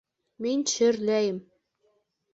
Мин шөрләйем...